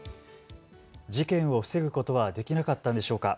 事件を防ぐことはできなかったのでしょうか。